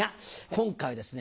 今回はですね